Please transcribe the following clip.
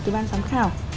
từ ban giám khảo